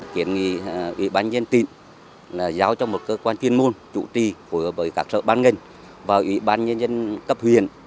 kiến nghị ubnd tịnh là giao cho một cơ quan tiên môn chủ trì của các sở ban nghênh và ubnd cấp huyện